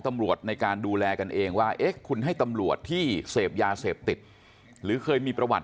ตำรวจในการดูแลกันเองว่าเอ๊ะคุณให้ตำรวจที่เสพยาเสพติดหรือเคยมีประวัติ